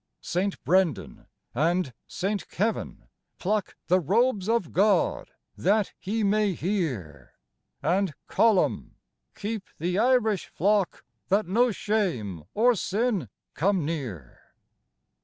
St Brendan and St Kevin pluck The robes of God that He may hear And Colum :" Keep the Irish flock So that no shame or sin come near."